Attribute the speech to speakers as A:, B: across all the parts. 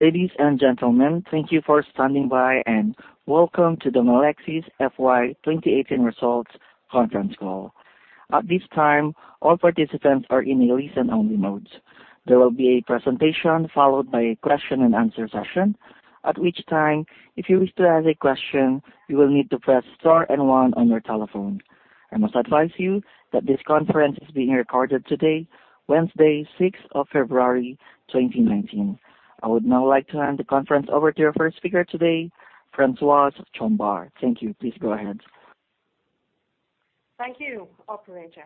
A: Ladies and gentlemen, thank you for standing by and welcome to the Melexis FY 2018 results conference call. At this time, all participants are in a listen only mode. There will be a presentation followed by a question and answer session. At which time, if you wish to ask a question, you will need to press star and one on your telephone. I must advise you that this conference is being recorded today, Wednesday, 6th of February 2019. I would now like to hand the conference over to our first speaker today, Françoise Chombar. Thank you. Please go ahead.
B: Thank you, operator.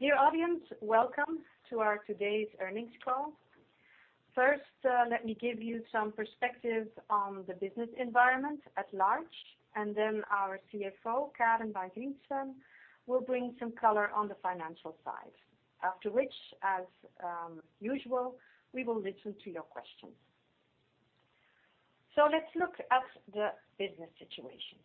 B: Dear audience, welcome to our today's earnings call. First, let me give you some perspective on the business environment at large, and then our CFO, Karen van Griensven, will bring some color on the financial side. After which, as usual, we will listen to your questions. Let's look at the business situation.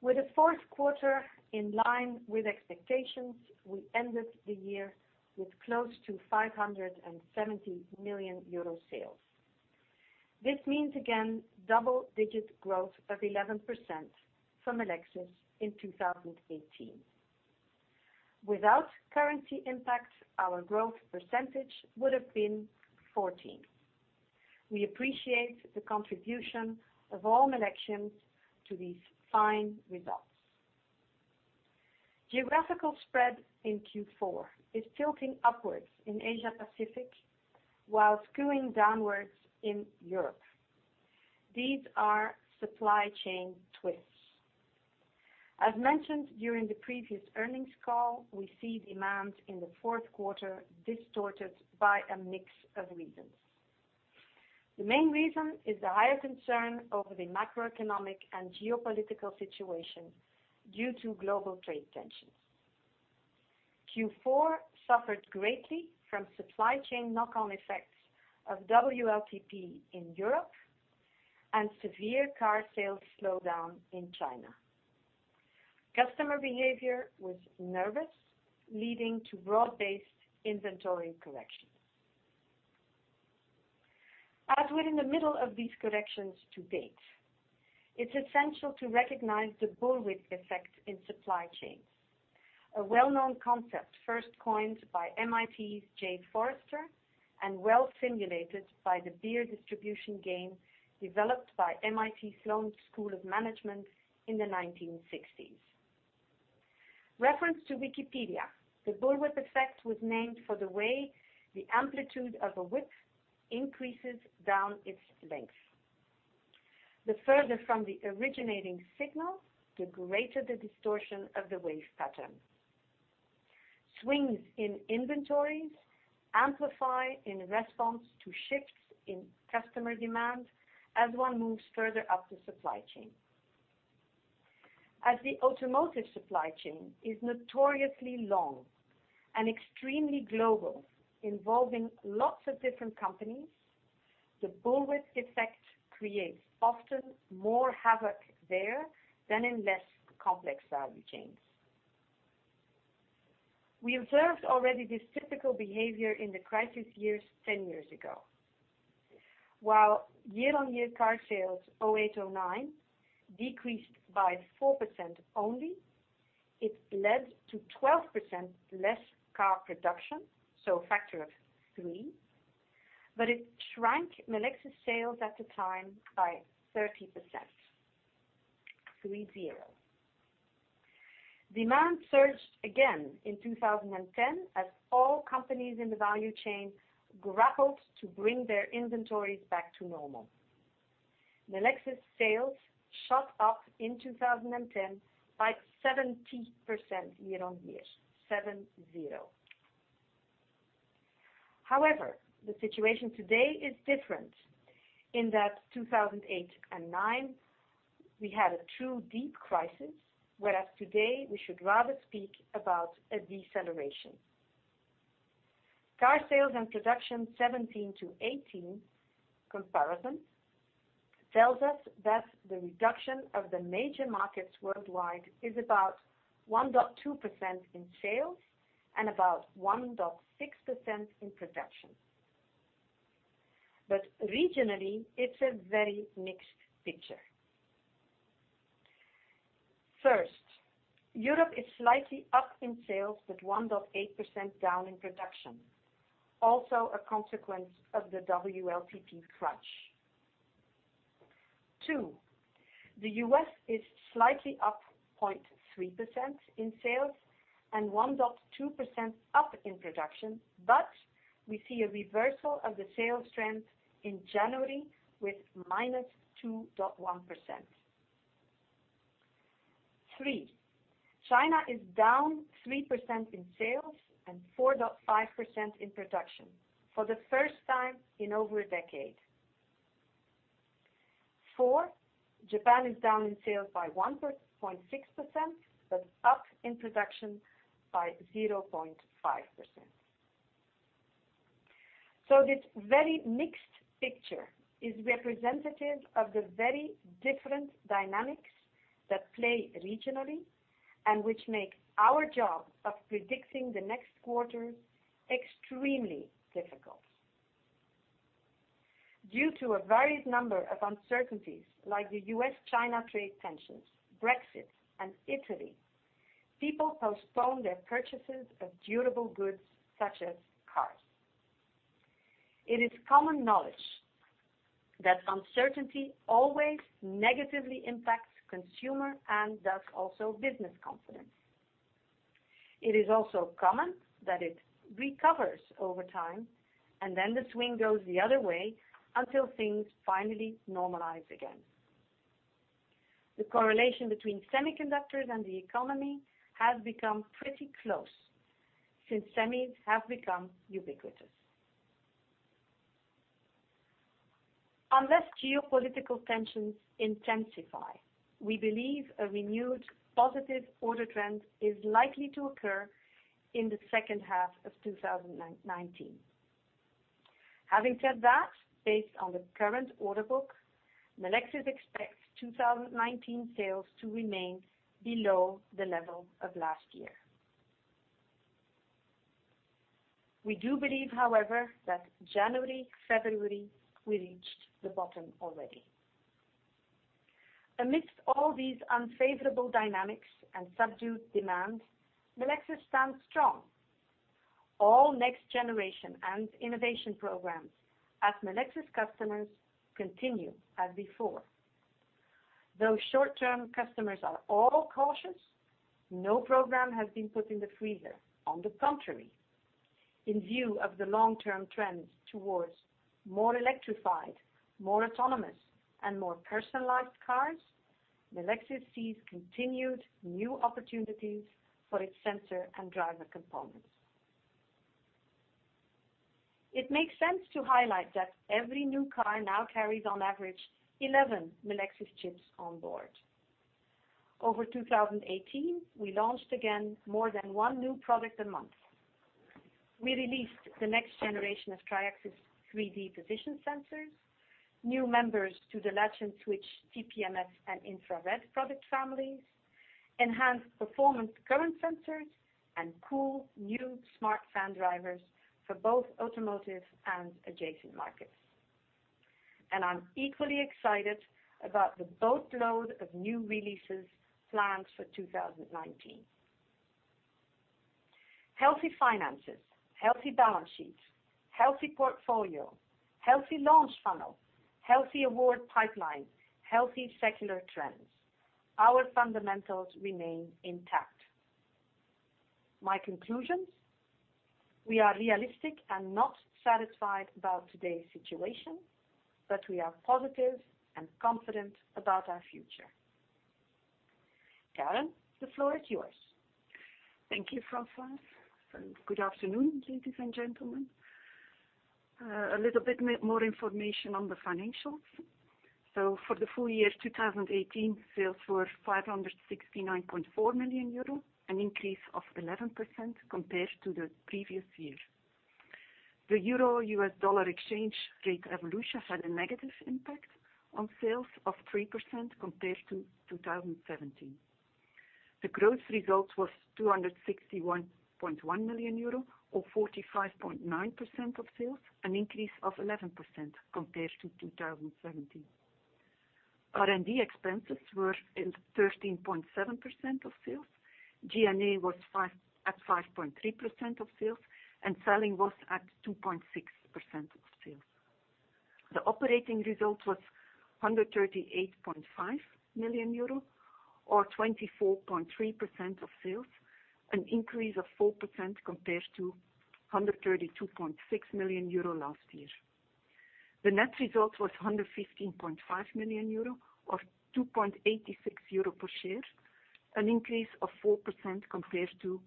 B: With the Q4 in line with expectations, we ended the year with close to 570 million euro sales. This means again, double-digit growth of 11% from Melexis in 2018. Without currency impact, our growth percentage would've been 14%. We appreciate the contribution of all Melexis to these fine results. Geographical spread in Q4 is tilting upwards in Asia Pacific while skewing downwards in Europe. These are supply chain twists. As mentioned during the previous earnings call, we see demand in the Q4 distorted by a mix of reasons. The main reason is the higher concern over the macroeconomic and geopolitical situation due to global trade tensions. Q4 suffered greatly from supply chain knock-on effects of WLTP in Europe and severe car sales slowdown in China. Customer behavior was nervous, leading to broad-based inventory correction. As we're in the middle of these corrections to date, it's essential to recognize the bullwhip effect in supply chains. A well-known concept first coined by MIT's Jay Forrester and well simulated by the beer distribution game developed by MIT Sloan School of Management in the 1960s. Reference to Wikipedia, the bullwhip effect was named for the way the amplitude of a whip increases down its length. The further from the originating signal, the greater the distortion of the wave pattern. Swings in inventories amplify in response to shifts in customer demand as one moves further up the supply chain. As the automotive supply chain is notoriously long and extremely global, involving lots of different companies, the bullwhip effect creates often more havoc there than in less complex value chains. We observed already this typical behavior in the crisis years, 10 years ago. While year-on-year car sales 2008, 2009 decreased by 4% only, it led to 12% less car production, so a factor of three, but it shrank Melexis sales at the time by 30%, three, zero. Demand surged again in 2010 as all companies in the value chain grappled to bring their inventories back to normal. Melexis sales shot up in 2010 by 70% year-on-year, seven, zero. However, the situation today is different in that 2008 and 2009, we had a true deep crisis, whereas today we should rather speak about a deceleration. Car sales and production 2017-2018 comparison tells us that the reduction of the major markets worldwide is about 1.2% in sales and about 1.6% in production. Regionally, it's a very mixed picture. First, Europe is slightly up in sales with 1.8% down in production, also a consequence of the WLTP crunch. Second, the U.S. is slightly up 0.3% in sales and 1.2% up in production, but we see a reversal of the sales trend in January with -2.1%. Third, China is down 3% in sales and 4.5% in production for the first time in over a decade. Fourth, Japan is down in sales by 1.6%, but up in production by 0.5%. This very mixed picture is representative of the very different dynamics that play regionally and which make our job of predicting the next quarter extremely difficult. Due to a varied number of uncertainties, like the U.S.-China trade tensions, Brexit, and Italy, people postpone their purchases of durable goods such as cars. It is common knowledge that uncertainty always negatively impacts consumer, and thus also business confidence. It is also common that it recovers over time, and then the swing goes the other way until things finally normalize again. The correlation between semiconductors and the economy has become pretty close since semis have become ubiquitous. Unless geopolitical tensions intensify, we believe a renewed positive order trend is likely to occur in the H2 of 2019. Having said that, based on the current order book, Melexis expects 2019 sales to remain below the level of last year. We do believe, however, that January, February, we reached the bottom already. Amidst all these unfavorable dynamics and subdued demand, Melexis stands strong. All next generation and innovation programs at Melexis customers continue as before. Though short-term customers are all cautious, no program has been put in the freezer. On the contrary, in view of the long-term trends towards more electrified, more autonomous, and more personalized cars, Melexis sees continued new opportunities for its sensor and driver components. It makes sense to highlight that every new car now carries on average 11 Melexis chips on board. Over 2018, we launched again more than one new product a month. We released the next generation of Triaxis 3D position sensors, new members to the Latch & Switch TPMS and infrared product families, enhanced performance current sensors, and cool new smart fan drivers for both automotive and adjacent markets. I'm equally excited about the boatload of new releases planned for 2019. Healthy finances, healthy balance sheets, healthy portfolio, healthy launch funnel, healthy award pipeline, healthy secular trends. Our fundamentals remain intact. My conclusions, we are realistic and not satisfied about today's situation, but we are positive and confident about our future. Karen, the floor is yours.
C: Thank you, Françoise, and good afternoon, ladies and gentlemen. A little bit more information on the financials. For the full year 2018, sales were 569.4 million euro, an increase of 11% compared to the previous year. The euro-US dollar exchange rate evolution had a negative impact on sales of 3% compared to 2017. The gross result was 261.1 million euro or 45.9% of sales, an increase of 11% compared to 2017. R&D expenses were 13.7% of sales. G&A was 5.3% of sales, and selling was 2.6% of sales. The operating result was 138.5 million euro, or 24.3% of sales, an increase of 4% compared to 132.6 million euro last year. The net result was 115.5 million euro or 2.86 euro per share, an increase of 4% compared to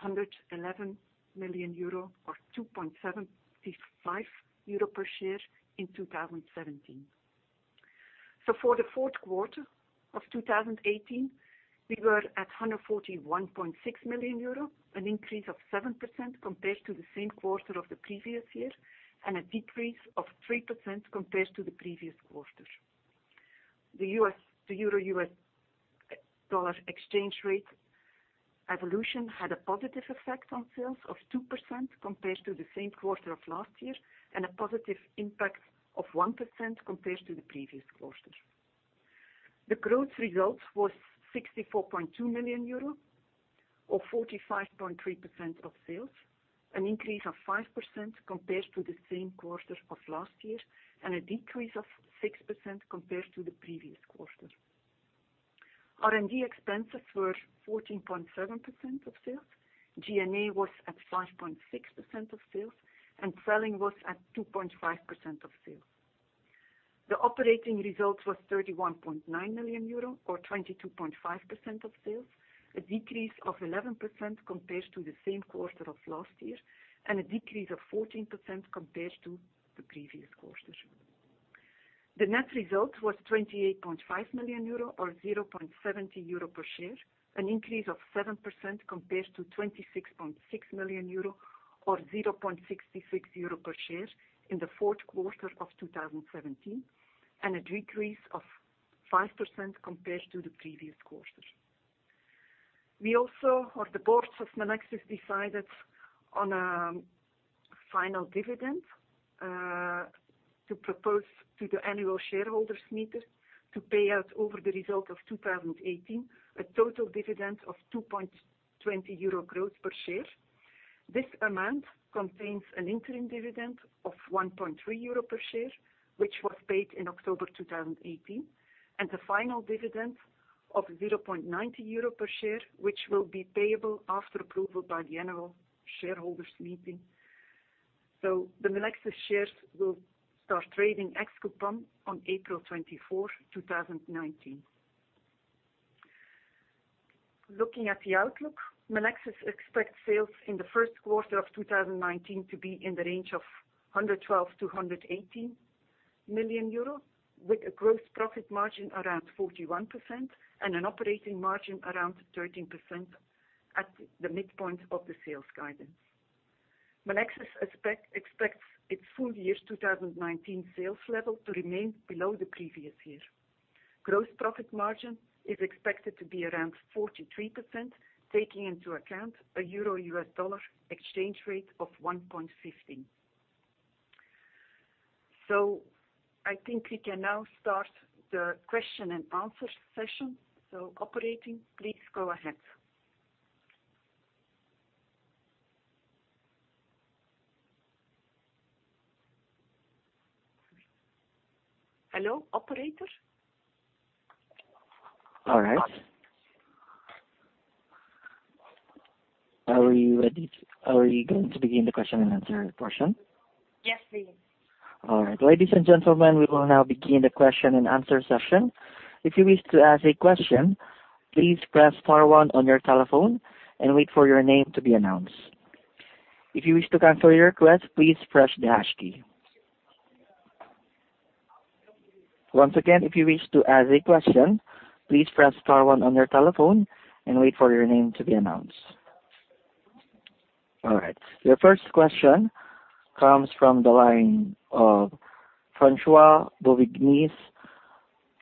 C: 111 million euro or 2.75 euro per share in 2017. For the Q4 of 2018, we were at 141.6 million euro, an increase of 7% compared to the same quarter of the previous year and a decrease of 3% compared to the previous quarter. The euro-US dollar exchange rate evolution had a positive effect on sales of 2% compared to the same quarter of last year and a positive impact of 1% compared to the previous quarter. The gross result was 64.2 million euro or 45.3% of sales, an increase of 5% compared to the same quarter of last year and a decrease of 6% compared to the previous quarter. R&D expenses were 14.7% of sales. G&A was 5.6% of sales, and selling was 2.5% of sales. The operating result was 31.9 million euro or 22.5% of sales, a decrease of 11% compared to the same quarter of last year and a decrease of 14% compared to the previous quarter. The net result was 28.5 million euro or 0.70 euro per share, an increase of 7% compared to 26.6 million euro or 0.66 euro per share in the Q4 of 2017, and a decrease of 5% compared to the previous quarter. We also, or the boards of Melexis, decided on a final dividend to propose to the annual shareholders' meeting to pay out over the result of 2018, a total dividend of 2.20 euro gross per share. This amount contains an interim dividend of 1.3 euro per share, which was paid in October 2018, and the final dividend of 0.90 euro per share, which will be payable after approval by the annual shareholders' meeting. The Melexis shares will start trading ex-coupon on April 24, 2019. Looking at the outlook, Melexis expects sales in the Q1 of 2019 to be in the range of 112 million-118 million euro, with a gross profit margin around 41% and an operating margin around 13% at the midpoint of the sales guidance. Melexis expects its full year 2019 sales level to remain below the previous year. Gross profit margin is expected to be around 43%, taking into account a Euro-U.S. dollar exchange rate of 1.15. I think we can now start the question and answer session. Operator, please go ahead. Hello, operator?
A: All right. Are we ready? Are we going to begin the question and answer portion?
C: Yes, please.
A: All right. Ladies and gentlemen, we will now begin the question and answer session. If you wish to ask a question, please press star one on your telephone and wait for your name to be announced. If you wish to cancel your request, please press the hash key. Once again, if you wish to ask a question, please press star one on your telephone and wait for your name to be announced. All right. The first question comes from the line of Francois Bouvignies.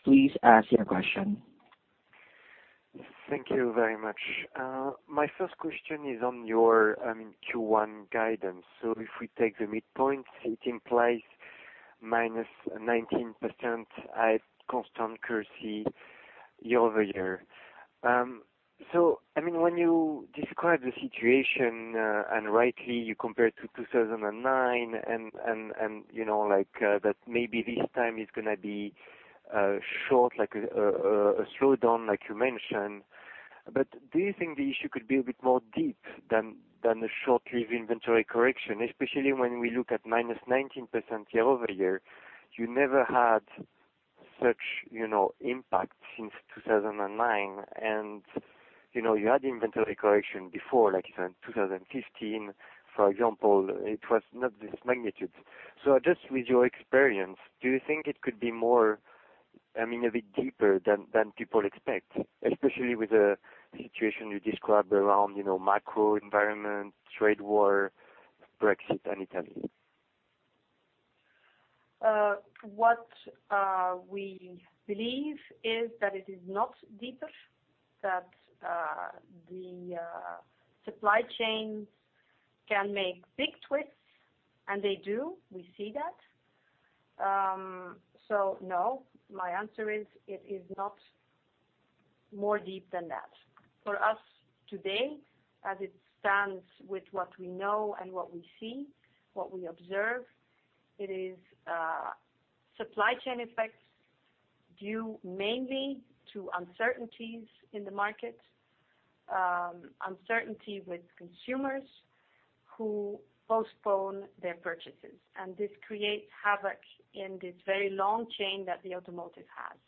A: Please ask your question.
D: Thank you very much. My first question is on your Q1 guidance. If we take the midpoint, it implies -19% at constant currency year-over-year. When you describe the situation, and rightly you compare to 2009, and that maybe this time it's going to be a slowdown, like you mentioned, but do you think the issue could be a bit deeper than a short-lived inventory correction? Especially when we look at -19% year-over-year, you never had such impact since 2009. And you had inventory correction before, like in 2015, for example, it was not this magnitude. Just with your experience, do you think it could be a bit deeper than people expect, especially with the situation you described around macro environment, trade war, Brexit and Italy?
C: What we believe is that it is not deeper, that the supply chain can make big twists, and they do, we see that. No, my answer is, it is not more deep than that. For us today, as it stands with what we know and what we see, what we observe, it is supply chain effects due mainly to uncertainties in the market, uncertainty with consumers who postpone their purchases. This creates havoc in this very long chain that the automotive has.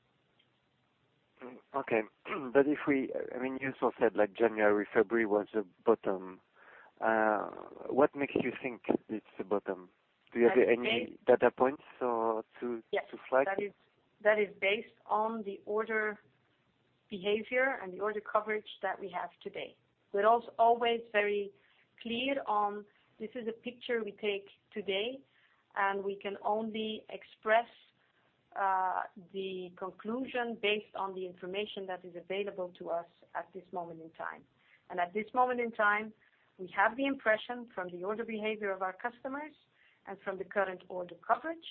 D: Okay. You also said January, February was the bottom. What makes you think it's the bottom? Do you have any data points or to flag?
B: Yes. That is based on the order behavior and the order coverage that we have today. We're also always very clear on, this is a picture we take today, and we can only express the conclusion based on the information that is available to us at this moment in time. At this moment in time, we have the impression from the order behavior of our customers and from the current order coverage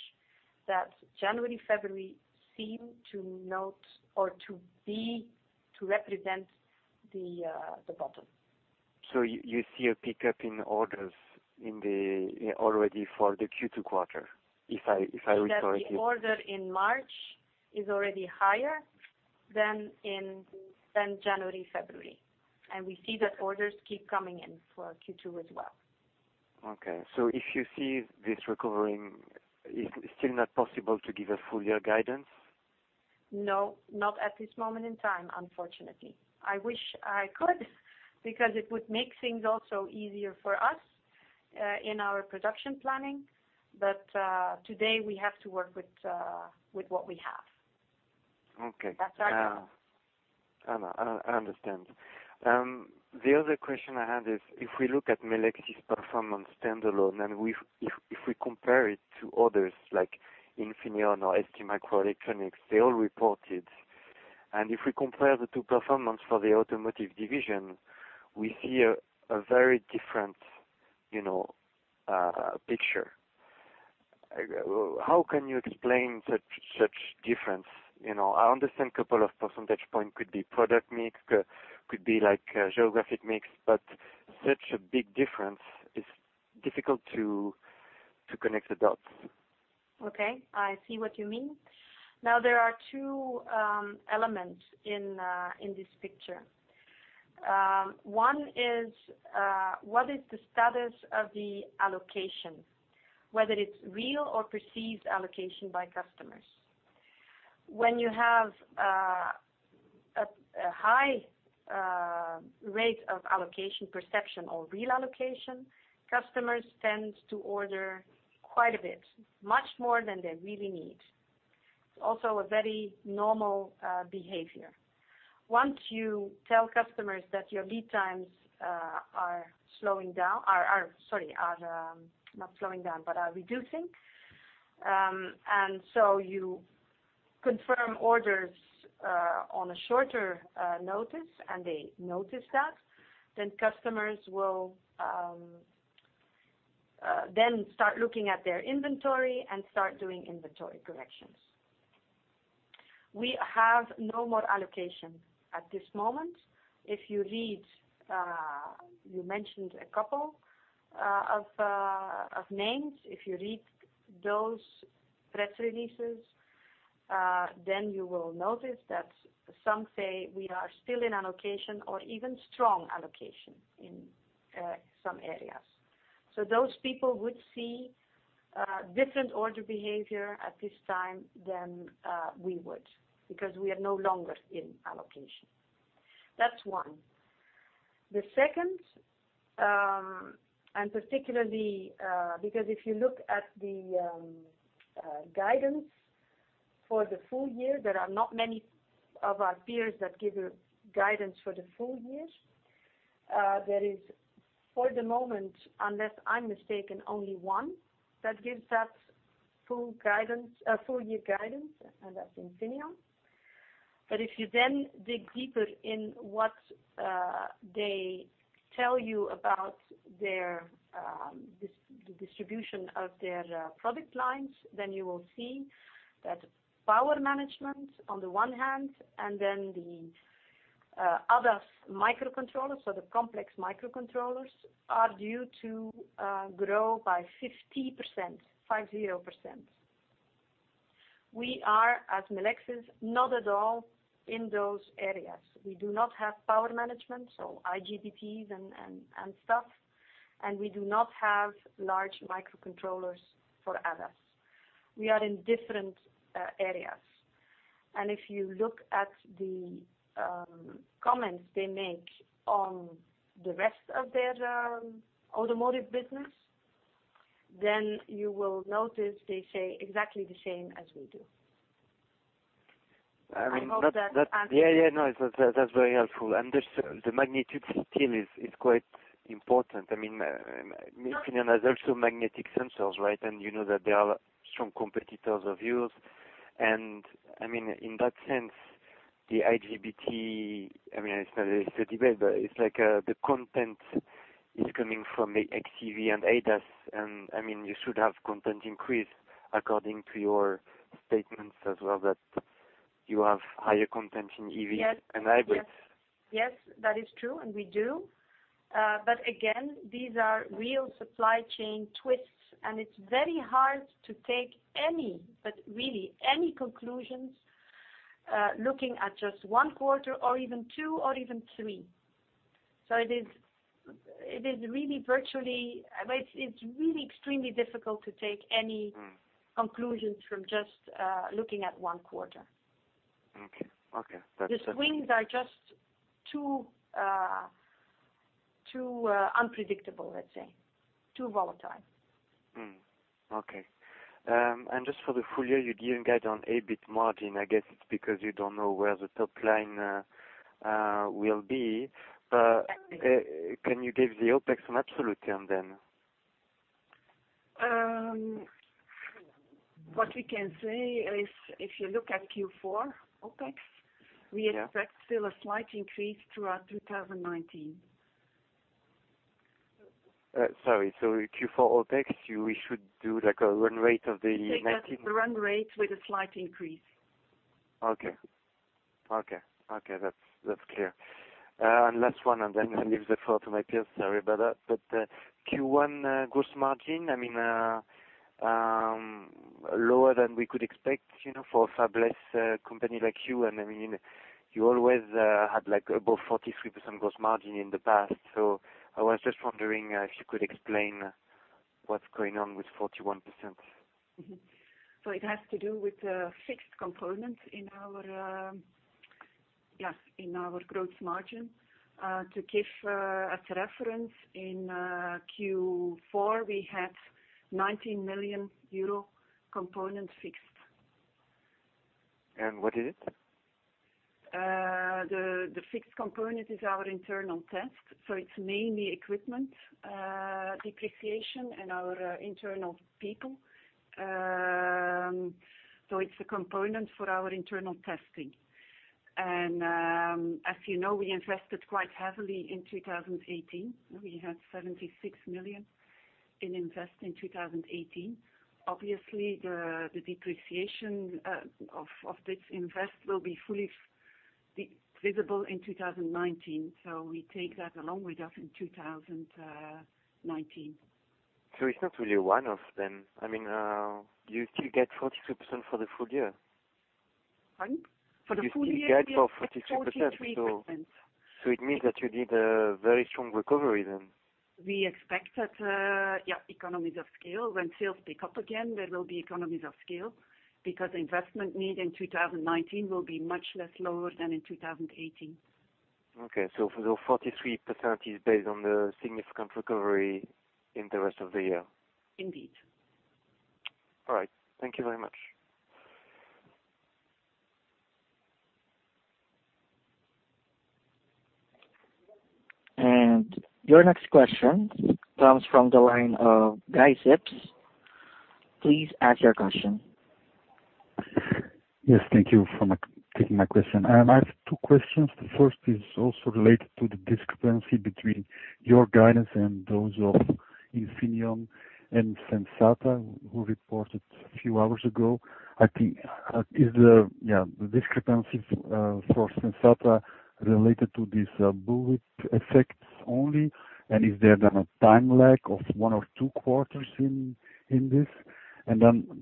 B: that January, February seem to note or to be, to represent the bottom.
D: You see a pickup in orders already for the Q2 quarter, if I interpret you?
B: The order in March is already higher than January, February. We see that orders keep coming in for Q2 as well.
D: Okay. If you see this recovering, it's still not possible to give a full year guidance?
B: No, not at this moment in time, unfortunately. I wish I could, because it would make things also easier for us, in our production planning. Today we have to work with what we have.
D: Okay.
B: That's right.
D: I understand. The other question I have is if we look at Melexis' performance standalone, if we compare it to others like Infineon or STMicroelectronics, they all reported. If we compare the two performance for the automotive division, we see a very different picture. How can you explain such difference? I understand couple of percentage point could be product mix, could be geographic mix, but such a big difference is difficult to connect the dots.
B: I see what you mean. There are two elements in this picture. One is, what is the status of the allocation, whether it's real or perceived allocation by customers. When you have a high rate of allocation perception or real allocation, customers tend to order quite a bit, much more than they really need. It's also a very normal behavior. Once you tell customers that your lead times are reducing, you confirm orders on a shorter notice and they notice that, customers will then start looking at their inventory and start doing inventory corrections. We have no more allocation at this moment. You mentioned a couple of names. If you read those press releases, you will notice that some say we are still in allocation or even strong allocation in some areas. Those people would see different order behavior at this time than we would, because we are no longer in allocation. That's one. The second, particularly because if you look at the guidance for the full year, there are not many of our peers that give guidance for the full years. There is, for the moment, unless I'm mistaken, only one that gives that full-year guidance, and that's Infineon. If you then dig deeper in what they tell you about the distribution of their product lines, you will see that power management on the one hand, and then the ADAS microcontrollers, so the complex microcontrollers, are due to grow by 50%. We are, as Melexis, not at all in those areas. We do not have power management, so IGBTs and stuff, and we do not have large microcontrollers for ADAS. We are in different areas. If you look at the comments they make on the rest of their automotive business, you will notice they say exactly the same as we do. I hope that answers.
D: Yeah. No, that's very helpful. The magnitude still is quite important. Infineon has also magnetic sensors, and you know that they are strong competitors of yours. In that sense, the IGBT, it's not a debate, but it's like the content is coming from xEV and ADAS, and you should have content increase according to your statements as well that you have higher content in EV and hybrids.
B: Yes. That is true, and we do. Again, these are real supply chain twists, and it's very hard to take any, but really any conclusions, looking at just one quarter or even two or even three. It's really extremely difficult to take any conclusions from just looking at one quarter.
D: Okay.
B: The swings are just too unpredictable, let's say. Too volatile.
D: Okay. Just for the full year, you didn't guide on EBIT margin. I guess it's because you don't know where the top line will be. Can you give the OpEx an absolute term then?
C: What we can say is if you look at Q4 OpEx, we expect still a slight increase throughout 2019.
D: Sorry. Q4 OpEx, we should do like a run rate of the
C: You take that as a run rate with a slight increase.
D: Okay. That's clear. Last one, then I leave the floor to my peers, sorry about that. Q1 gross margin, lower than we could expect for a fabless company like you, and you always had above 43% gross margin in the past. I was just wondering if you could explain what's going on with 41%.
C: It has to do with fixed components in our, yes, in our gross margin. To give as a reference, in Q4, we had EUR 19 million component fixed.
D: What is it?
C: The fixed component is our internal test. It's mainly equipment depreciation and our internal people. It's a component for our internal testing. As you know, we invested quite heavily in 2018. We had 76 million in invest in 2018. Obviously, the depreciation of this investment will be fully visible in 2019. We take that along with us in 2019.
D: It's not really one of them. You still get 43% for the full year.
C: Pardon?
D: You still get for 43%.
C: For the full year we expect 43%.
D: It means that you did a very strong recovery then.
C: We expect that, yeah, economies of scale. When sales pick up again, there will be economies of scale because investment made in 2019 will be much less lower than in 2018.
D: Okay. The 43% is based on the significant recovery in the rest of the year.
C: Indeed.
D: All right. Thank you very much.
A: Your next question comes from the line of Guy Sips. Please ask your question.
E: Yes, thank you for taking my question. I have two questions. The first is also related to the discrepancy between your guidance and those of Infineon and Sensata, who reported a few hours ago. Is the discrepancy for Sensata related to this bullwhip effect only, and is there a time lag of one or two quarters in this?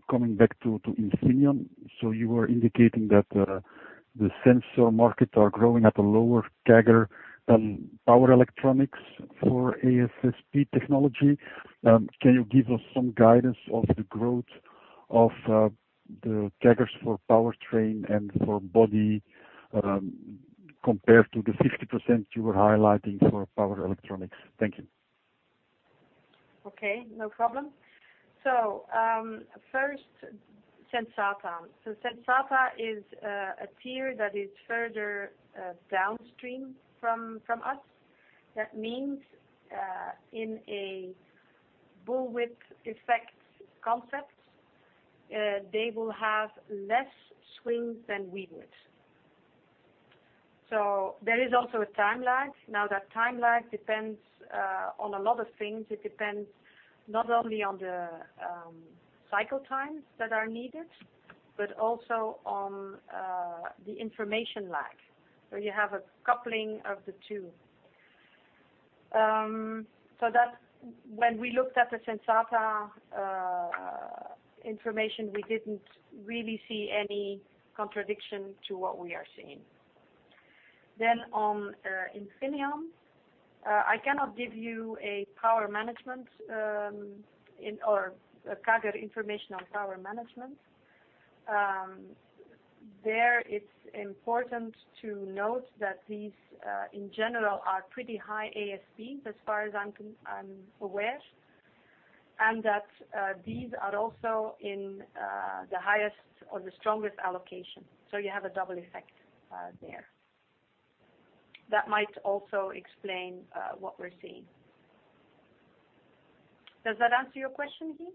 E: Coming back to Infineon, you were indicating that the sensor markets are growing at a lower CAGR than power electronics for ASSP technology. Can you give us some guidance of the growth of the CAGRs for powertrain and for body, compared to the 50% you were highlighting for power electronics? Thank you.
B: Okay, no problem. First, Sensata. Sensata is a tier that is further downstream from us. That means, in a bullwhip effect concept, they will have less swing than we would. There is also a time lag. Now that time lag depends on a lot of things. It depends not only on the cycle times that are needed, but also on the information lag, where you have a coupling of the two. When we looked at the Sensata information, we didn't really see any contradiction to what we are seeing. On Infineon, I cannot give you a power management or a CAGR information on power management. There it's important to note that these, in general, are pretty high ASPs as far as I'm aware, and that these are also in the highest or the strongest allocation. You have a double effect there. That might also explain what we're seeing. Does that answer your question, Guy?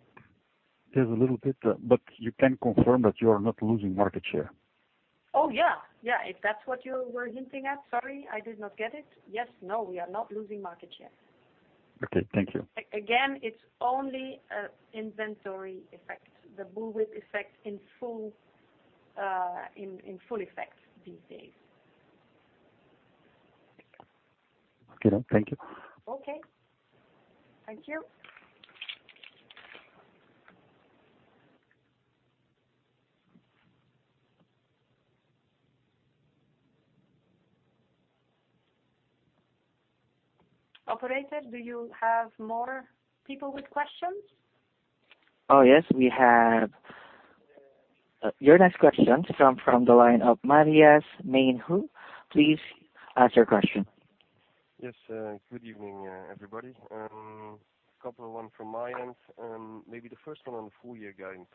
E: Yes, a little bit. You can confirm that you are not losing market share.
B: Yes, if that's what you were hinting at, sorry, I did not get it. Yes, no, we are not losing market share.
E: Okay. Thank you.
B: It's only inventory effect, the bullwhip effect in full effect these days.
E: Okay, thank you.
B: Okay. Thank you. Operator, do you have more people with questions?
A: Yes. We have your next question from the line of Matthias Maenhaunt. Please ask your question.
F: Yes, good evening, everybody. A couple of one from my end. Maybe the first one on the full year guidance.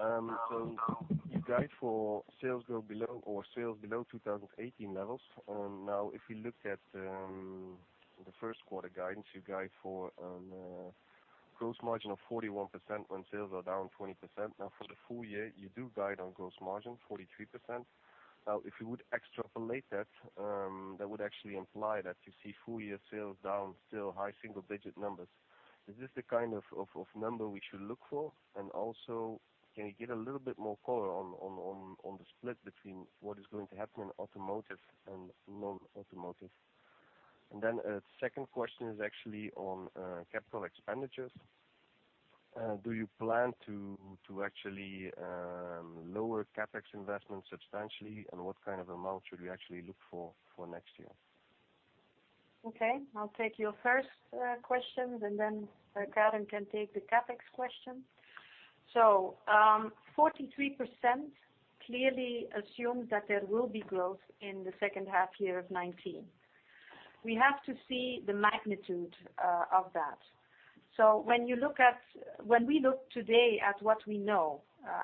F: You guide for sales below 2018 levels. If we looked at the Q1 guidance, you guide for a gross margin of 41% when sales are down 20%. For the full year, you do guide on gross margin 43%. If we would extrapolate that would actually imply that you see full year sales down still high single-digit numbers. Is this the kind of number we should look for? Also, can you give a little bit more color on the split between what is going to happen in automotive and non-automotive? A second question is actually on capital expenditures. Do you plan to actually lower CapEx investment substantially, and what kind of amount should we actually look for next year?
B: Okay, I'll take your first questions and then Karen can take the CapEx question. 43% clearly assume that there will be growth in the H2 year of 2019. We have to see the magnitude of that. When we look today at what we know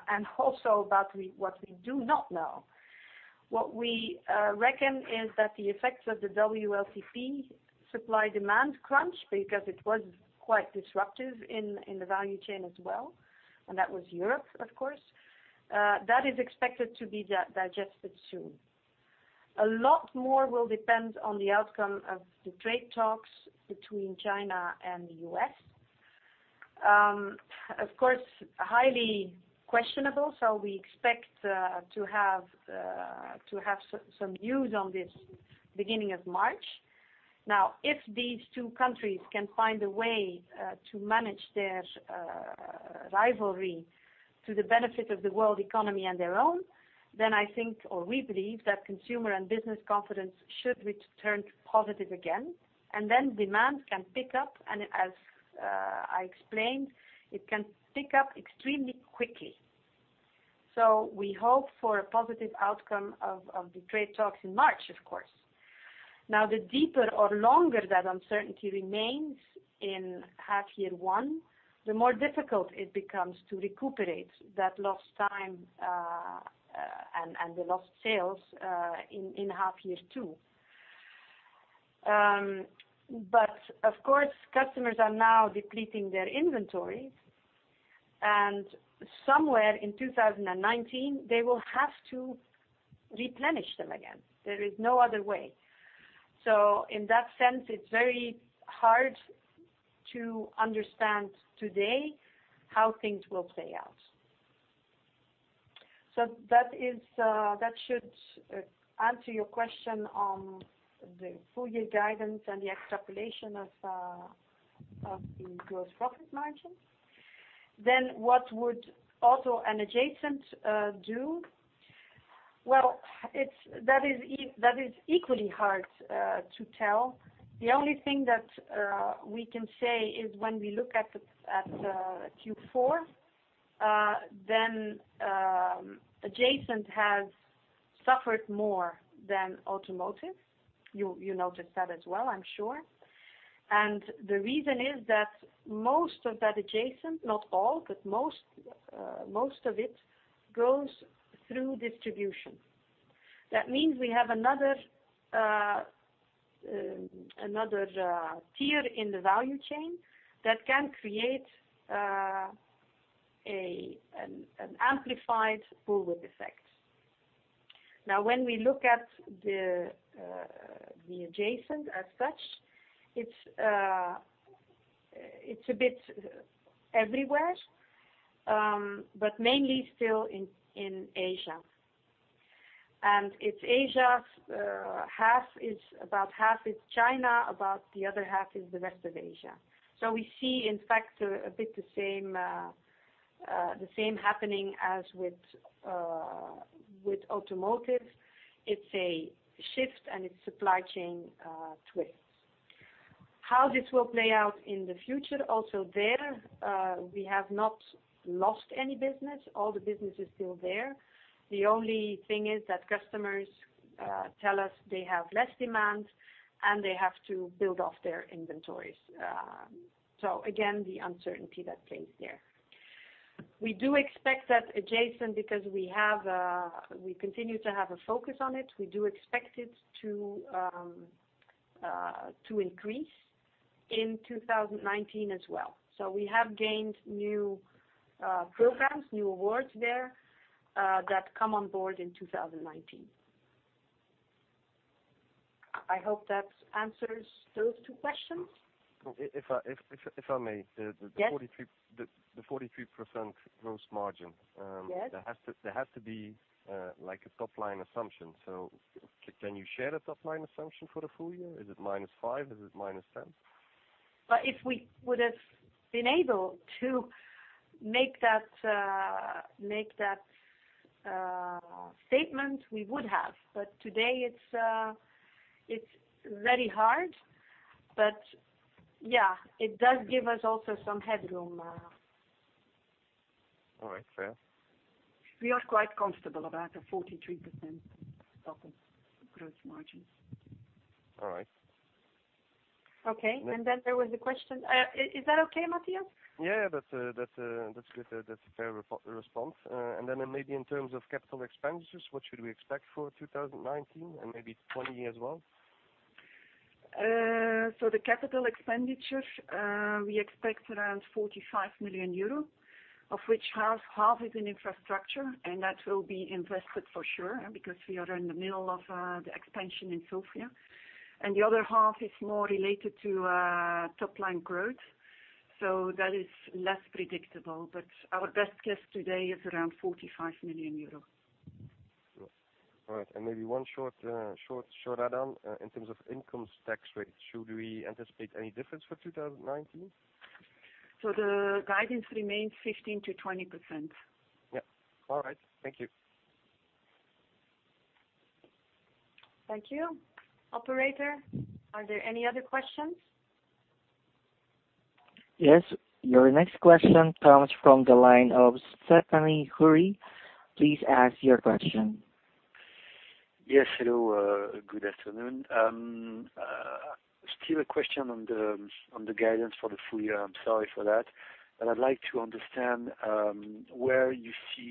B: and also about what we do not know, what we reckon is that the effects of the WLTP supply-demand crunch, because it was quite disruptive in the value chain as well, and that was Europe, of course. That is expected to be digested soon. A lot more will depend on the outcome of the trade talks between China and the U.S. Of course, highly questionable, we expect to have some news on this beginning of March. If these two countries can find a way to manage their rivalry to the benefit of the world economy and their own, I think, or we believe that consumer and business confidence should return to positive again, demand can pick up, and as I explained, it can pick up extremely quickly. We hope for a positive outcome of the trade talks in March, of course. The deeper or longer that uncertainty remains in half year one, the more difficult it becomes to recuperate that lost time and the lost sales in half year two. Of course, customers are now depleting their inventories, and somewhere in 2019, they will have to replenish them again. There is no other way. In that sense, it's very hard to understand today how things will play out. That should answer your question on the full year guidance and the extrapolation of the gross profit margin. What would auto and adjacent do? Well, that is equally hard to tell. The only thing that we can say is when we look at Q4, adjacent has suffered more than automotive. You noticed that as well, I'm sure. The reason is that most of that adjacent, not all, but most of it, goes through distribution. That means we have another tier in the value chain that can create an amplified bullwhip effect. When we look at the adjacent as such, it's a bit everywhere, but mainly still in Asia. It's Asia, about half is China, about the other half is the rest of Asia. We see, in fact, a bit of the same happening as with automotive. It's a shift and it's supply chain twist. How this will play out in the future, also there, we have not lost any business. All the business is still there. The only thing is that customers tell us they have less demand and they have to build off their inventories. Again, the uncertainty that plays there. We do expect that adjacent because we continue to have a focus on it. We do expect it to increase in 2019 as well. We have gained new programs, new awards there, that come on board in 2019. I hope that answers those two questions.
F: If I may.
B: Yes.
F: The 43% gross margin.
B: Yes.
F: There has to be like a top-line assumption. Can you share the top-line assumption for the full year? Is it -5? Is it -10?
B: If we would have been able to make that statement, we would have. Yeah, it does give us also some headroom.
F: All right. Fair.
C: We are quite comfortable about a 43% stock of gross margin.
F: All right.
B: Okay. There was a question. Is that okay, Matthias?
F: Yeah. That's good. That's a fair response. Maybe in terms of capital expenditures, what should we expect for 2019 and maybe 2020 as well?
C: The capital expenditure, we expect around 45 million euros, of which half is in infrastructure, and that will be invested for sure because we are in the middle of the expansion in Sofia. The other half is more related to top-line growth. That is less predictable. Our best guess today is around 45 million euros.
F: All right. Maybe one short add-on in terms of income tax rate. Should we anticipate any difference for 2019?
C: The guidance remains 15%-20%.
F: Yeah. All right. Thank you.
B: Thank you. Operator, are there any other questions?
A: Yes. Your next question comes from the line of Stephane Houry. Please ask your question.
G: Yes. Hello. Good afternoon. Still a question on the guidance for the full year. I'm sorry for that. I'd like to understand where in the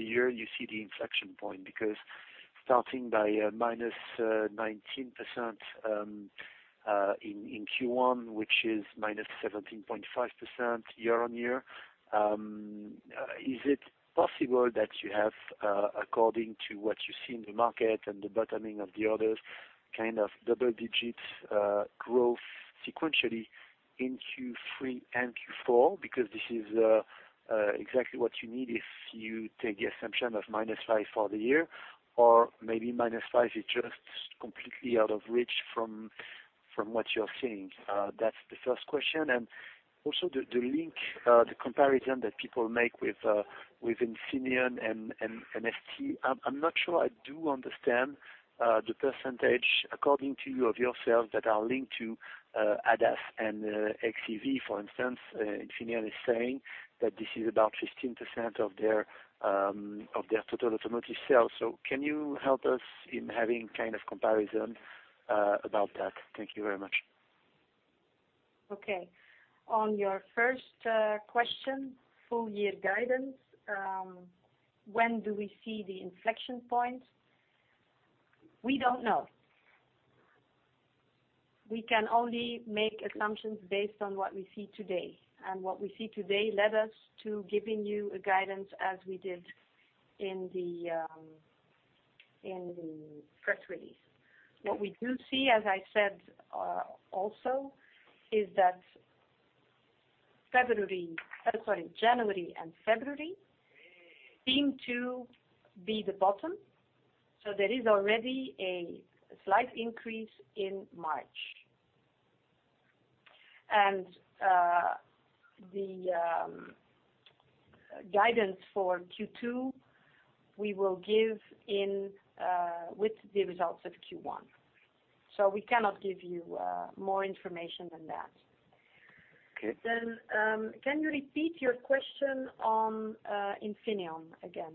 G: year you see the inflection point, because starting by a -19% in Q1, which is -17.5% year-on-year, is it possible that you have, according to what you see in the market and the bottoming of the orders, kind of double-digit growth sequentially in Q3 and Q4? Because this is exactly what you need if you take the assumption of -5% for the year, or maybe -5% is just completely out of reach from what you're seeing. That's the first question. The link, the comparison that people make with Infineon and ST. I'm not sure I do understand the percentage according to you of your sales that are linked to ADAS and xEV, for instance. Infineon is saying that this is about 15% of their total automotive sales. Can you help us in having kind of comparison about that? Thank you very much.
C: Okay. On your first question, full-year guidance. When do we see the inflection point? We don't know. We can only make assumptions based on what we see today, and what we see today led us to giving you a guidance as we did in the press release. What we do see, as I said also, is that January and February seem to be the bottom. There is already a slight increase in March. The guidance for Q2, we will give with the results of Q1. We cannot give you more information than that.
G: Okay.
B: Can you repeat your question on Infineon again?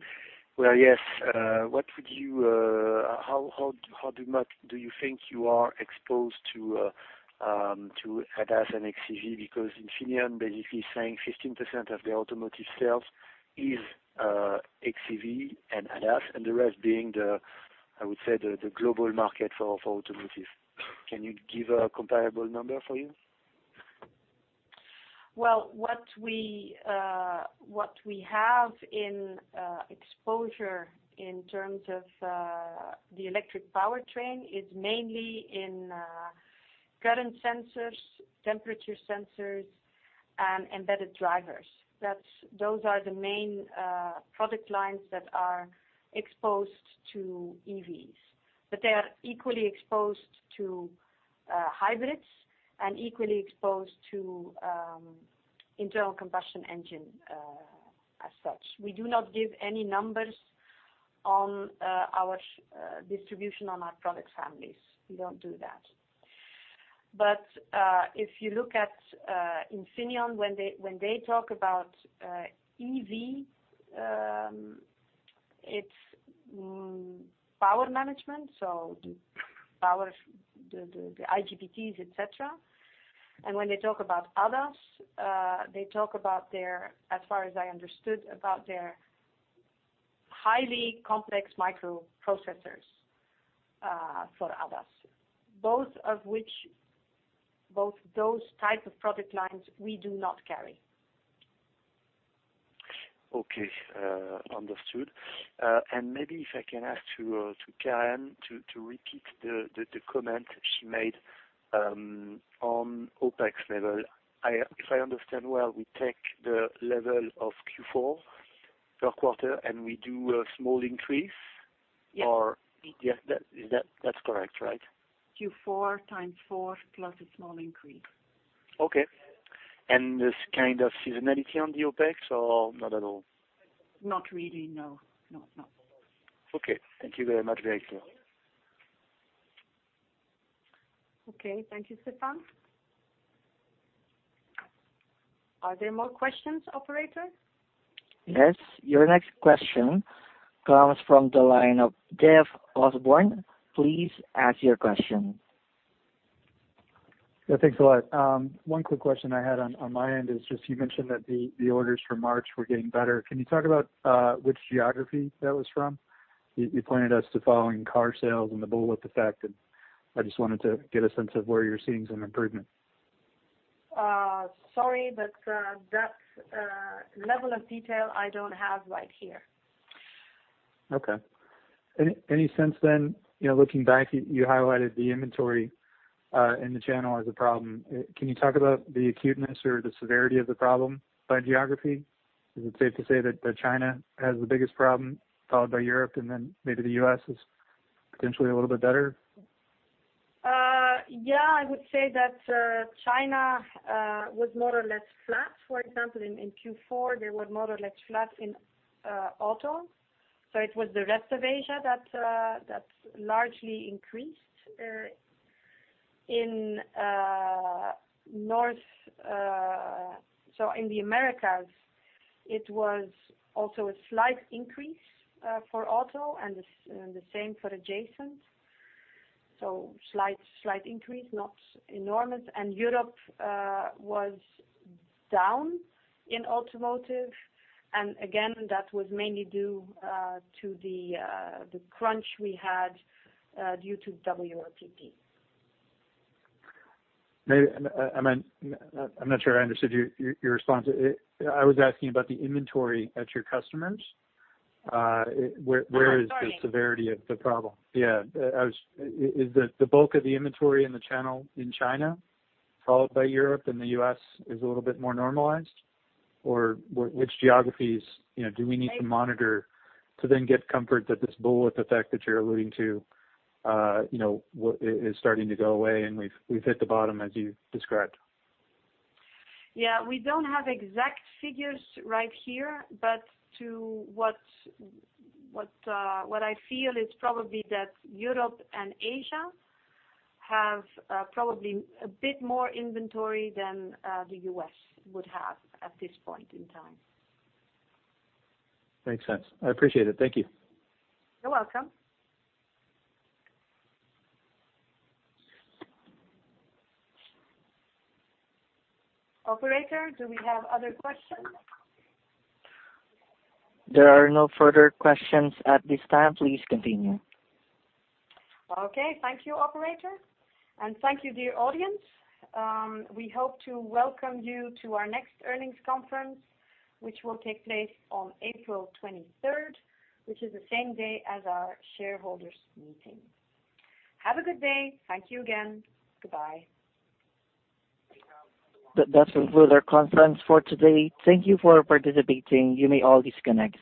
G: Well, yes. How much do you think you are exposed to ADAS and xEV? Infineon basically is saying 15% of the automotive sales is xEV and ADAS, and the rest being the, I would say, the global market for automotive. Can you give a comparable number for you?
C: Well, what we have in exposure in terms of the electric powertrain is mainly in current sensors, temperature sensors, and embedded drivers. Those are the main product lines that are exposed to EVs. They are equally exposed to hybrids and equally exposed to internal combustion engine as such. We do not give any numbers on our distribution on our product families. We don't do that. If you look at Infineon, when they talk about EV, it's power management, so the IGBTs, et cetera. When they talk about ADAS, they talk about their, as far as I understood, about their highly complex microprocessors for ADAS. Both those type of product lines we do not carry.
G: Okay. Understood. Maybe if I can ask Karen to repeat the comment she made on OpEx level. If I understand well, we take the level of Q4, per quarter, and we do a small increase?
C: Yes.
G: That's correct, right?
C: Q4 times 4 plus a small increase.
G: Okay. There's kind of seasonality on the OpEx or not at all?
C: Not really, no.
G: Okay. Thank you very much. Very clear.
B: Okay. Thank you, Stephane. Are there more questions, operator?
A: Yes. Your next question comes from the line of Dave Osborne. Please ask your question.
H: Yeah, thanks a lot. One quick question I had on my end is just you mentioned that the orders for March were getting better. Can you talk about which geography that was from? You pointed us to following car sales and the bullwhip effect, I just wanted to get a sense of where you're seeing some improvement.
B: Sorry, that level of detail I don't have right here.
H: Okay. Any sense then, looking back, you highlighted the inventory in the channel as a problem. Can you talk about the acuteness or the severity of the problem by geography? Is it safe to say that China has the biggest problem followed by Europe, and then maybe the U.S. is potentially a little bit better?
B: Yeah, I would say that China was more or less flat. For example, in Q4, they were more or less flat in auto. It was the rest of Asia that largely increased. In the Americas, it was also a slight increase for auto and the same for adjacent. Slight increase, not enormous. Europe was down in automotive, and again, that was mainly due to the crunch we had due to WLTP.
H: I'm not sure I understood your response. I was asking about the inventory at your customers where is the severity of the problem?
B: Oh, sorry.
H: Yeah. Is the bulk of the inventory in the channel in China, followed by Europe, and the U.S. is a little bit more normalized? Or which geographies do we need to monitor to then get comfort that this bullwhip effect that you're alluding to is starting to go away and we've hit the bottom as you described?
B: Yeah, we don't have exact figures right here, but what I feel is probably that Europe and Asia have probably a bit more inventory than the U.S. would have at this point in time.
H: Makes sense. I appreciate it. Thank you.
B: You're welcome. Operator, do we have other questions?
A: There are no further questions at this time. Please continue.
B: Okay. Thank you, operator, and thank you, dear audience. We hope to welcome you to our next earnings conference, which will take place on April 23rd, which is the same day as our shareholders meeting. Have a good day. Thank you again. Goodbye.
A: That concludes our conference for today. Thank you for participating. You may all disconnect.